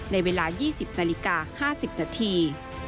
ในเวลา๒๐นาฬิกา๕๐นาที